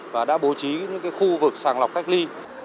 và đã bố trí những cái khu vực sàn lọc cách ly